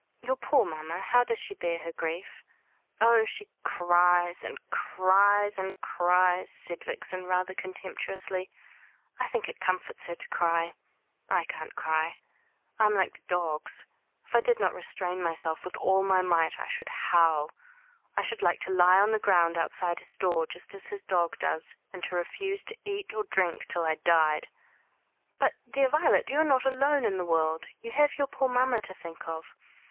"Your poor mamma! How does she bear her grief?" "Oh, she cries, and cries, and cries," said Vixen, rather contemptuously. "I think it comforts her to cry. I can't cry. I am like the dogs. If I did not restrain myself with all my might I should howl. I should like to lie on the ground outside his door just as his dog does and to refuse to eat or drink till I died." "But, dear Violet, you are not alone in the world. You have your poor mamma to think of."